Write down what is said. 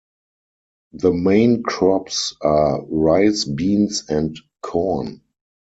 The main crops are rice, beans, and corn.